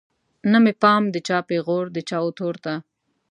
نه مې پام د چا پیغور د چا وتور ته